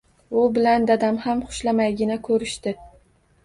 U bilan dadam ham xushlamaygina koʻrishdi.